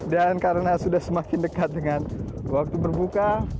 dan karena sudah semakin dekat dengan waktu berbuka